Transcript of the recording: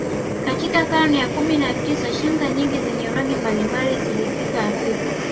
Katika karne ya kumi na tisa shanga nyingi zenye rangi mbalimbali zilifika Afrika